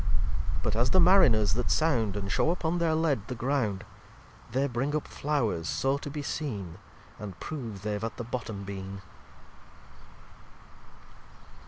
But, as the Marriners that sound, And show upon their Lead the Ground, They bring up Flow'rs so to be seen, And prove they've at the Bottom been.